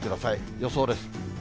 予想です。